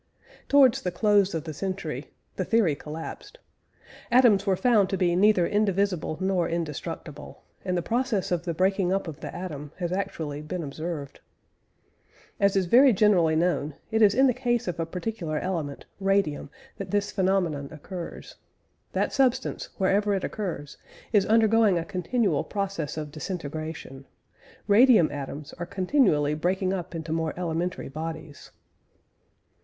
Towards the close of the century, the theory collapsed. Atoms were found to be neither indivisible nor indestructible; and the process of the breaking up of the atom has actually been observed. As is very generally known, it is in the case of a particular element, radium, that this phenomenon occurs. That substance, wherever it occurs, is undergoing a continual process of disintegration; radium atoms are continually breaking up into more elementary bodies.